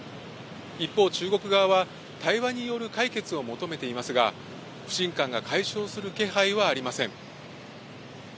一方、中国側は対話による解決を求めていますが、不信感が解消する気配はありません。